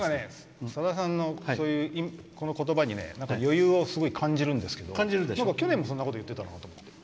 さださんの言葉に余裕をすごく感じるんですけど去年も、そんなこと言ってたなと思って。